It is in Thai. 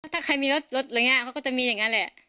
ถ้าใครมีรถละง่าเขาก็จะมีอย่างนั้นแหละ